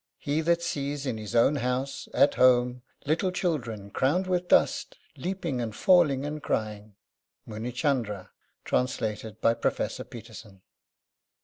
He that sees in his own house, at home, little children crowned with dust, leaping and falling and crying. Munichandra, translated by Professor Peterson.